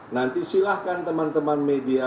nanti silahkan teman teman media